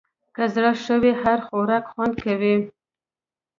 که زړه ښه وي، هر خوراک خوند کوي.